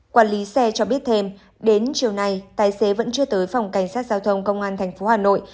quản lý xe cho biết thêm đến chiều nay tài xế vẫn chưa tới phòng cảnh sát giao thông công an tp hà nội